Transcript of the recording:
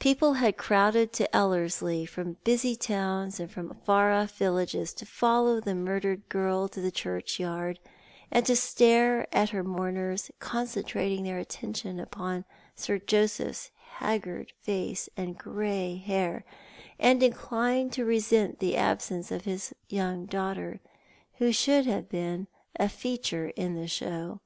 People had crowded to Ellerslie from busy towns and from far oflf villages to follow the murdered girl to the churchyard, and to stare at her mourners, concentrating their attention upon Sir Joseph's haggard face and grey hair, and inclined to resent the absence of his fiiir young daughter, who should have been a feature in the show.